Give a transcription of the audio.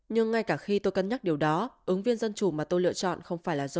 nhưng ngay cả khi tôi cân nhắc điều đó ứng viên dân chủ mà tôi lựa chọn không phải là do